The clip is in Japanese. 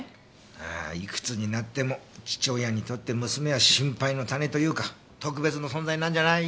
まあいくつになっても父親にとって娘は心配の種というか特別の存在なんじゃない。